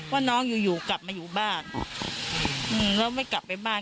ว่าน้องอยู่อยู่กลับมาอยู่บ้านแล้วไม่กลับไปบ้าน